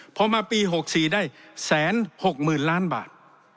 พอมาปี๖๔ได้๑๖๐๐๐ล้านบาท